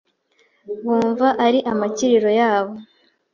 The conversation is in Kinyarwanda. bumva ari amakiriro yabo